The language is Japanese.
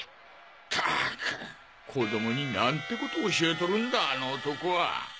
ったく子供になんてこと教えとるんだあの男は